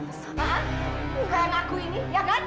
maaf bukan aku ini ya kan